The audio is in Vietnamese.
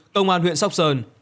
công an huyện sóc sơn